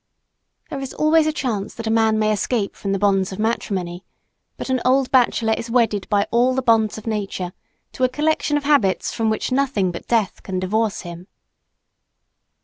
There is always a chance that a man may escape from the bonds of matrimony; but an old bachelor is wedded by all the bonds of nature to a collection of habits from which nothing but death can divorce him.